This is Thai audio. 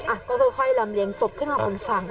อ่ะก็ค่อยลำเลียงศพขึ้นมาบนฝั่ง